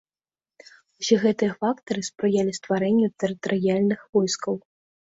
Усе гэтыя фактары спрыялі стварэнню тэрытарыяльных войскаў.